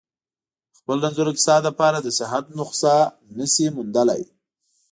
د خپل رنځور اقتصاد لپاره د صحت نسخه نه شي موندلای.